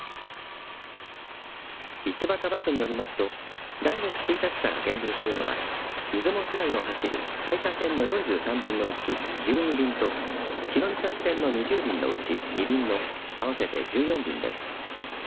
一畑バスによりますと来月１日から減便するのは出雲市内を走る大社線の４３便のうち１２便と日御碕線の２０便のうち２便の合わせて１４便です。